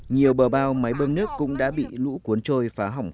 nhiều bờ bao máy bơm nước cũng đã bị lũ cuốn trôi phá hỏng